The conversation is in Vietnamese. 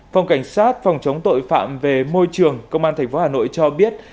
phòng cảnh sát phòng chống tội phạm về môi trường công an thành phố hà nội cho biết